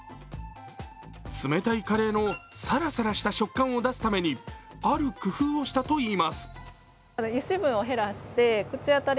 冷たいカレーのさらさらした食感を出すためにある工夫をしたといいます。